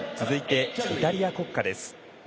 続いてイタリア国歌です。